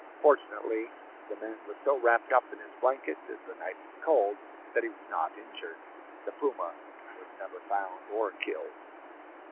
Fortunately, the man was so wrapped up in his blanket, as the night was cold, that he was not injured. The puma was never found or killed.